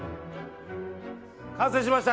完成しました！